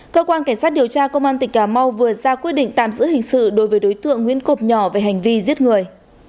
cơ quan cảnh sát điều tra công an tp hà nội vừa ra quyết định tạm giữ hình sự đối với đối tượng nguyễn cộp nhỏ về hành vi giết người